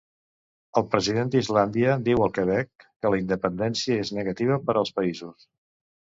El president d'Islàndia diu al Quebec que la independència és negativa per als països.